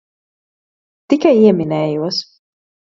Tikai ieminējos.